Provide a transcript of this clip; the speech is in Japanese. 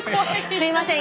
すいません